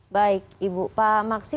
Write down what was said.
baik ibu pak maksi